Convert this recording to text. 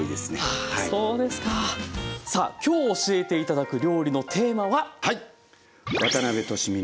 さあ今日教えて頂く料理のテーマは？